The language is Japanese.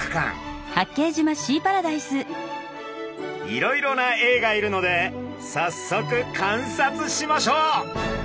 いろいろなエイがいるのでさっそく観察しましょう！